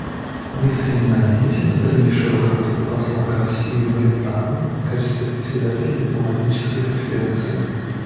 Мы искренне надеемся на дальнейшее руководство посла Гарсии Моритана в качестве Председателя Дипломатической конференции.